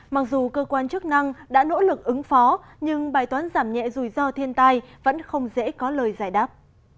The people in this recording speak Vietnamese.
mặc dù cơ quan chức năng đã nỗ lực ứng phó nhưng bài toán giảm nhẹ rủi ro thiên tai vẫn không dễ có lời giải đáp